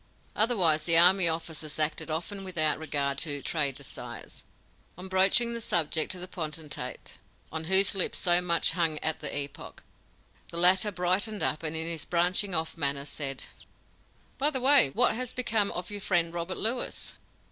Otherwise the army officers acted often without regard to trade desires. On broaching the subject to the potentate on whose lips so much hung at the epoch, the latter brightened up and, in his branching off manner, said: "By the way, what has become of your friend Robert Lewis?"